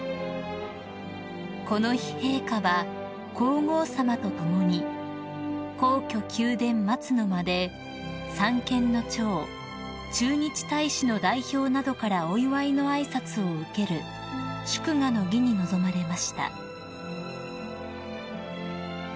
［この日陛下は皇后さまと共に皇居宮殿松の間で三権の長駐日大使の代表などからお祝いの挨拶を受ける祝賀の儀に臨まれました］